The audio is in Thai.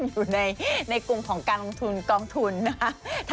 อยู่ในกลุ่มของการลงทุนกองทุนนะคะ